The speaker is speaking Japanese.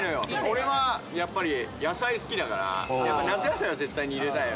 俺はやっぱり野菜好きだから夏野菜は絶対に入れたいよね。